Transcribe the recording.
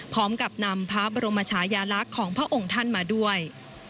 พร้อมกับนำพระบรมชายาลักษณ์ของพระองค์ท่านมาด้วย